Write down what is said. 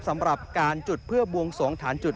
สำหรับการจุดเพื่อบวงสวงฐานจุด